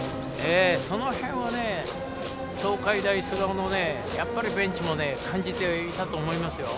その辺は、東海大菅生のベンチも感じていたと思います。